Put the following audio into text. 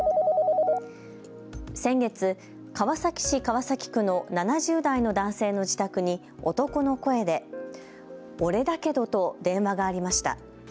先月、川崎市川崎区の７０代の男性の自宅に男の声で俺だけどと電話がありました。